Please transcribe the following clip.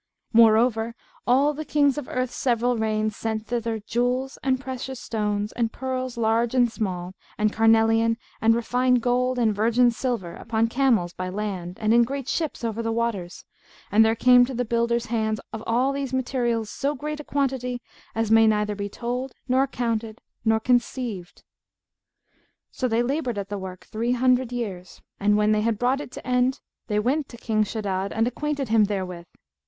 Moreover, all the Kings of earth's several reigns sent thither jewels and precious stones and pearls large and small and carnelian and refined gold and virgin silver upon camels by land, and in great ships over the waters, and there came to the builders' hands of all these materials so great a quantity as may neither be told nor counted nor conceived. So they laboured at the work three hundred years; and, when they had brought it to end, they went to King Shaddad and acquainted him therewith.